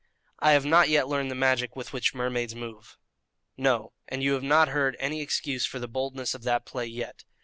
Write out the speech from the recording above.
"I have not yet learned the magic with which mermaids move." "No, and you have not heard any excuse for the boldness of that play yet.